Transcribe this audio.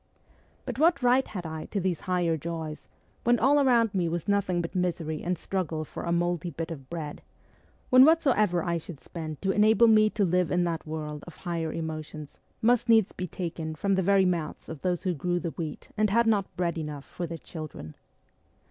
But what right had I to these higher joys, when all round me was nothing but misery and struggle for a mouldy bit of bread ; when whatsoever I should spend to enable me to live in that world of higher emotions must needs be taken from the very mouths of those who grew the wheat and had not bread enough for their children